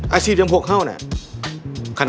อาศีพยังพวกเข้าเนี้ย